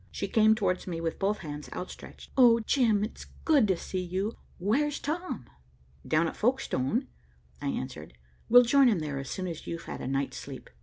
She came towards me with both hands outstretched. "Oh, Jim, it's good to see you. Where's Tom?" "Down at Folkestone," I answered. "We'll join him there as soon as you've had a night's sleep."